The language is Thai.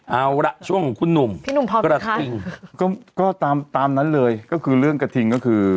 เอาละช่วงของคุณหนุ่มก็ตามนั้นเลยก็คือเรื่องกระทิงก็คือ